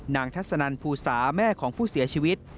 ทัศนันภูสาแม่ของผู้เสียชีวิต